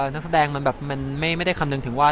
นักแสดงไม่ได้คำนึงถึงว่า